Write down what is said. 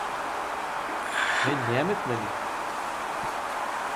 Men näme etmeli?